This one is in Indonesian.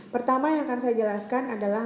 pertama yang akan saya jelaskan adalah